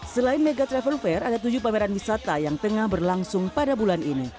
selain mega travel fair ada tujuh pameran wisata yang tengah berlangsung pada bulan ini